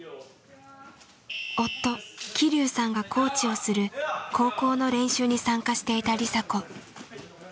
夫希龍さんがコーチをする高校の練習に参加していた梨紗子。